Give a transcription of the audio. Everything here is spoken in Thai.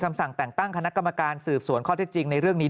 สั่งแต่งตั้งคณะกรรมการสืบสวนข้อเท็จจริงในเรื่องนี้